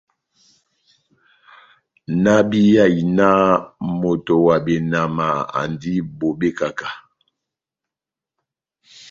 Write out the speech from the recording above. Náhábíyahi náh moto wa benama andi bobé kahá-kahá.